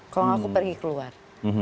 kalau nggak aku pergi keluar